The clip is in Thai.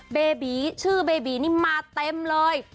เบบีชื่อเบบีนี่มาเต็มเลย